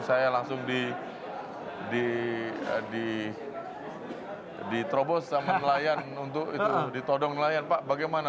saya langsung diterobos sama nelayan untuk itu ditodong nelayan pak bagaimana